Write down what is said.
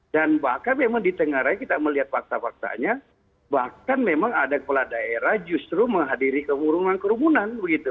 dan bahkan memang di tengah raya kita melihat fakta faktanya bahkan memang ada kepala daerah justru menghadiri kemurungan kerumunan